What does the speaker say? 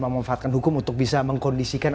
memanfaatkan hukum untuk bisa mengkondisikan